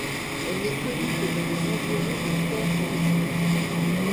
Elle n'est connue que dans les environs de Port Moresby.